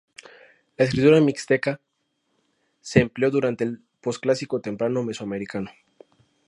La escritura mixteca se empleó durante el Posclásico Temprano mesoamericano.